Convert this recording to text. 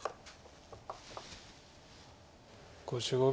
５５秒。